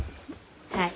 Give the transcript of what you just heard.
はい。